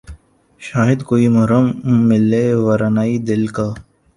شاید کوئی محرم ملے ویرانئ دل کا